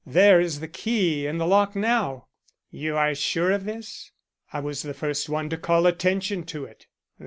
There is the key in the lock now." "You are sure of this?" "I was the first one to call attention to it."